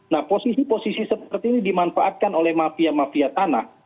nah posisi posisi seperti ini dimanfaatkan oleh mafia mafia tanah